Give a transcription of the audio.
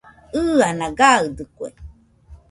ɨana gaɨdɨkue